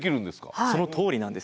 そのとおりなんですよ。